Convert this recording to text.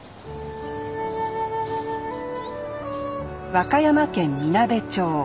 和歌山県みなべ町。